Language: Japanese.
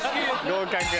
合格。